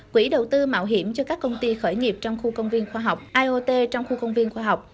quỹ đầu tư mạo hiểm cho các công ty khởi nghiệp trong khu công viên khoa học iot trong khu công viên khoa học